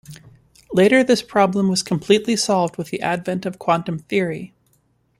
Later this problem was completely solved with the advent of quantum theory.